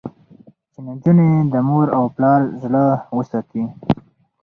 چې نجونې د مور او پلار زړه وساتي.